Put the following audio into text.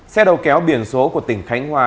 xe đầu kéo biển số của tỉnh khánh hoa